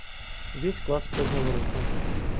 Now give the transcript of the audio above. Весь класс поднял руку.